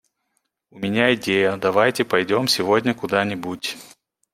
У меня идея - давайте пойдем сегодня куда-нибудь?